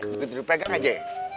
begitu dipegang aja